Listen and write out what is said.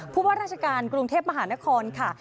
ว่าราชการกรุงเทพมหานครค่ะ